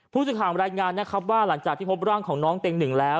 ผู้สึกถามรายงานนะครับว่าหลังจากที่พบร่างของน้องเต็ม๑แล้ว